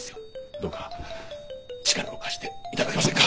どうか力を貸していただけませんか？